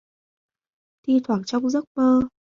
Thi thoảng trong Giấc Mơ